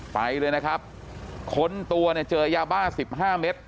ไปเลยนะครับค้นตัวเนี่ยเจอยาบ้าสิบห้าเม็ด